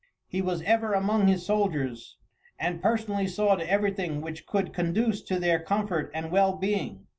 He was ever among his soldiers, and personally saw to everything which could conduce to their comfort and well being.